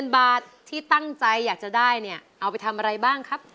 บาทที่ตั้งใจอยากจะได้เนี่ยเอาไปทำอะไรบ้างครับ